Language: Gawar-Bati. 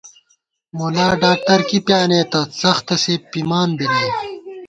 ملا ڈاکتر کی پیانېتہ ، څَختہ سے پِمان بی نئ